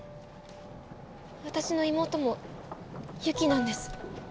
私の妹も「ゆき」なんです。